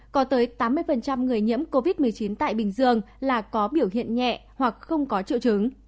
có tới tám mươi người nhiễm covid một mươi chín tại bình dương là có biểu hiện nhẹ hoặc không có triệu chứng